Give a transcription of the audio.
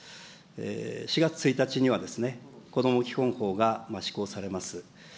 ４月１日にはですね、こども基本法が施行されます。